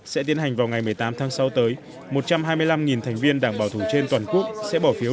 sẽ tiến hành vào ngày một mươi tám tháng sáu tới một trăm hai mươi năm thành viên đảng bảo thủ trên toàn quốc sẽ bỏ phiếu